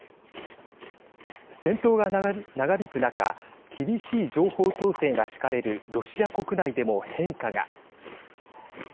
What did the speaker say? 戦闘が長引く中厳しい情報統制が敷かれるロシア国内でも変化が。